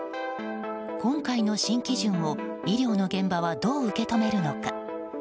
今回の新基準を医療の現場はどう受け止めるのか。